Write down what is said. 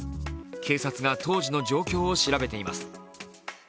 警察が当時の状況を調べています。